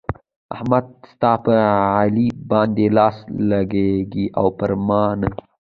احمده! ستا په علي باندې لاس لګېږي او پر ما نه.